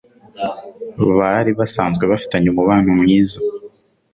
bari basanzwe bafitanye umubano mwiza